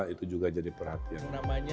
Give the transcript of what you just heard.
itu juga jadi perhatian